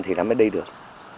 thì nó mới đi được